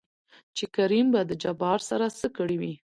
چې کريم به د جبار سره څه کړې وي؟